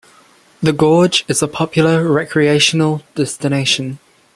The gorge is a popular recreational destination.